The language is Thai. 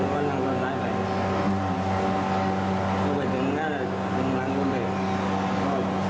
เข้าไปถึงนั่นถึงหลังบนไป